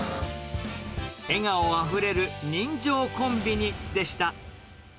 笑顔あふれる人情コンビニでした。